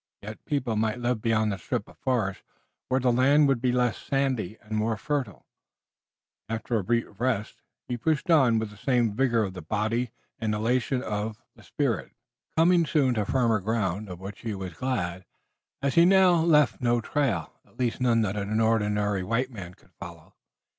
Yet people might live beyond the strip of forest, where the land would be less sandy and more fertile, and, after a brief rest, he pushed on with the same vigor of the body and elation of the spirit, coming soon to firmer ground, of which he was glad, as he now left no trail, at least none that an ordinary white man could follow.